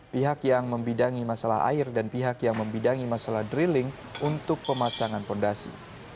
pihak yang membidangi masalah air dan pihak yang membidangi masalah drilling untuk pemasangan fondasi